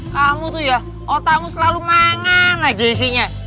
kamu tuh ya otakmu selalu mangan aja isinya